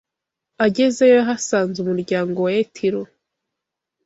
Agezeyo yahasanze umuryango wa Yetiro